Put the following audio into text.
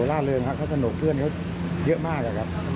ล่าเริงครับเขาสนุกเพื่อนเขาเยอะมากอะครับ